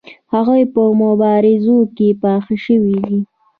هغوی په مبارزه کې پاخه شوي دي.